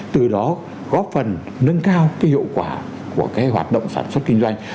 từ đó góp phần nâng cao hiệu quả của cái hoạt động sản xuất kinh doanh